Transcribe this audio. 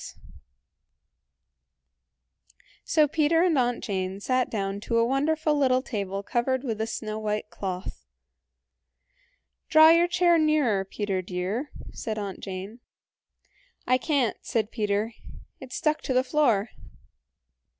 So Peter and Aunt Jane sat down to a wonderful little table covered with a snow white cloth. "Draw your chair nearer, Peter dear," said Aunt Jane. "I can't" said Peter, "it's stuck to the floor."